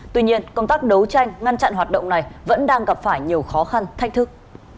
tuy nhiên công tác đấu tranh ngăn chặn hoạt động này vẫn đang gặp phải nhiều khó khăn thách thức